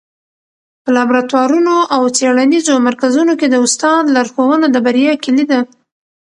په لابراتوارونو او څېړنیزو مرکزونو کي د استاد لارښوونه د بریا کيلي ده.